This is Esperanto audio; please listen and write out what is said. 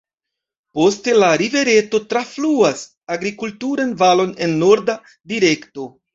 Poste la rivereto trafluas agrikulturan valon en norda direkto.